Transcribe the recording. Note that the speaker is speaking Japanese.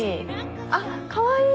あっかわいい。